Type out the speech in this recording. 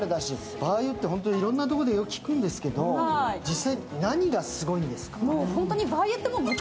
馬油っていろんなところでよく聞くんですけれど実際何がすごいんですか？